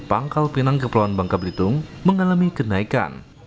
pangkal pinang kepulauan bangka belitung mengalami kenaikan